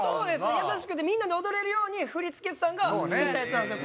優しくてみんなで踊れるように振付師さんが作ったやつなんですよ